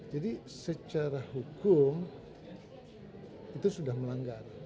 jadi secara hukum itu sudah melanggar